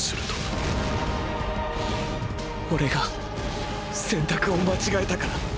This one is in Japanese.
オレが選択を間違えたから。